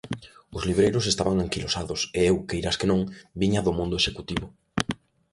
Os libreiros estaban anquilosados e eu, queiras que non, viña do mundo executivo.